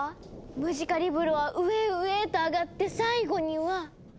ムジカリブロは上へ上へとあがって最後には。